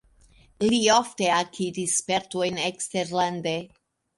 Li ofte akiris spertojn eksterlande.